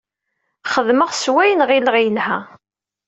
Xedmeɣ s wayen ɣileɣ yelha.